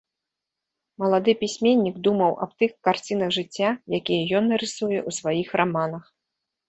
Малады пісьменнік думаў аб тых карцінах жыцця, якія ён нарысуе ў сваіх раманах.